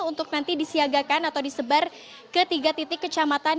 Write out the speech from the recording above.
untuk nanti disiagakan atau disebar ke tiga titik kecamatan